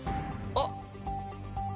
あっ。